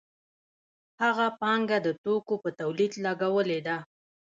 هغه پانګه د توکو په تولید لګولې ده